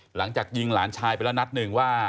หลังจากยิงหลานชายไปแล้วนัดหนึ่งว่า